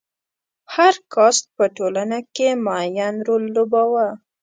هر کاسټ په ټولنه کې معین رول ولوباوه.